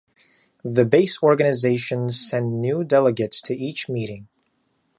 The base organizations send new delegates to each meeting.